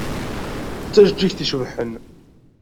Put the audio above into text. D tajeǧǧigt icebḥen.